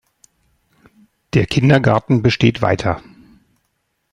Der Kindergarten besteht weiter.